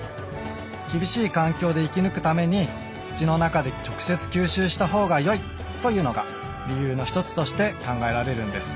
厳しい環境で生き抜くために土の中で直接吸収したほうがよいというのが理由の一つとして考えられるんです。